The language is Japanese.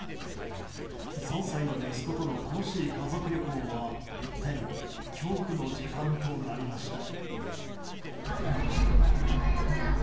３歳の息子との楽しい家族旅行は一転恐怖の時間となりました。